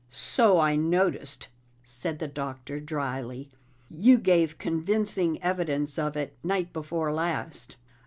"So I noticed," said the Doctor dryly. "You gave convincing evidence of it night before last."